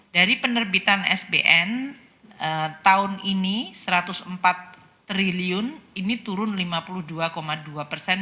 dari penerbitan sbn tahun ini satu ratus empat triliun ini turun lima puluh dua dua persen